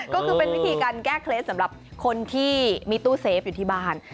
ก็คือเป็นวิธีการแก้เคล็ดสำหรับคนที่มีตู้เซฟอยู่ที่บ้าน